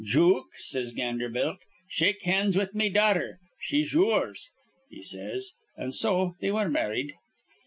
'Jook,' says Ganderbilk, 'shake hands with me daughther. She's your's,' he says. An' so they were marrid.